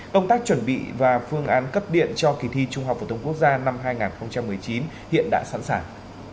công tác chuẩn bị và phương án cấp điện cho kỳ thi trung học phổ thông quốc gia năm hai nghìn một mươi chín hiện đã sẵn sàng